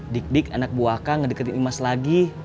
dik dik anak buah kang ngedeketin imas lagi